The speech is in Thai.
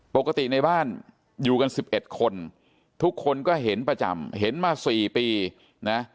ปกติในบ้านอยู่กัน๑๑คนทุกคนก็เห็นประจำเห็นมา๔ปีนะ